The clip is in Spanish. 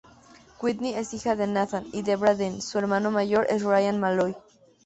Whitney es hija de Nathan y Debra Dean, su hermano mayor es Ryan Malloy.